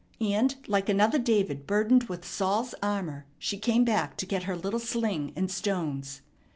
And like another David burdened with Saul's armor she came back to get her little sling and stones.